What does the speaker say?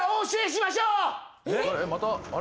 またあれ？